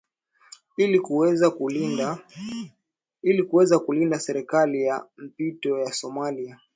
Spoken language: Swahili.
ili kuweza kuilinda serikali ya mpito ya somalia